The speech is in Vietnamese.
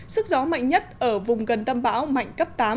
sức gió mạnh nhất ở vùng gần tâm bão mạnh cấp tám